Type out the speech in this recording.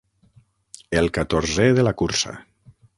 El catorzè de la cursa.